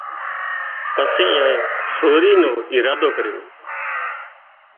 پسي ايئانئي سوري نو ارادو ڪريو